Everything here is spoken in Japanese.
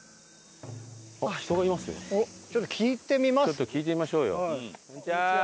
ちょっと聞いてみましょうよ。